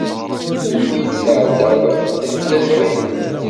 Melmi ay d-tɛeddad deg tliẓri?